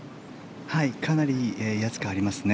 かなり威圧感ありますね。